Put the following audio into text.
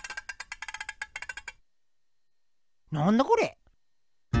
なんだこれ？